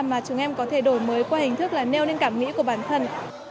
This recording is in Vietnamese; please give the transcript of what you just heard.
mà chúng em có thể đổi mới qua hình thức là nêu lên cảm nghĩ của bản thân